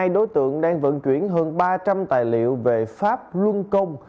hai mươi đối tượng đang vận chuyển hơn ba trăm linh tài liệu về pháp luân công